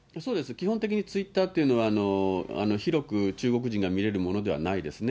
基本的にツイッターというのは、広く中国人が見れるものではないですね。